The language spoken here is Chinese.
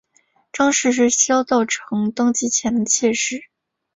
张氏是萧道成登基前的妾室。